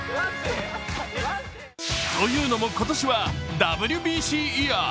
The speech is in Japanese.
というのも、今年はＷＢＣイヤー。